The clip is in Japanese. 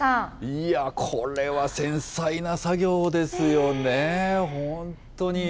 いやー、これは繊細な作業ですよね。